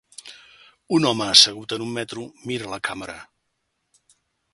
Un home assegut en un metro mira la càmera.